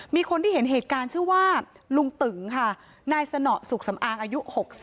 มีคนที่เห็นเหตุการณ์ชื่อว่าลุงตึงค่ะนายสนสุขสำอางอายุ๖๐